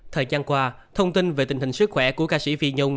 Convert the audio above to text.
thời gian qua thông tin về tình hình sức khỏe của ca sĩ phi nhung